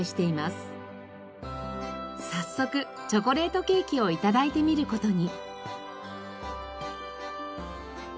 早速チョコレートケーキを頂いてみる事に。